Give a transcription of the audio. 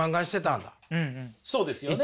そうですよね。